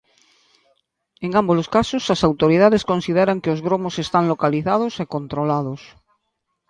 En ámbolos casos, as autoridades consideran que os gromos están localizados e controlados.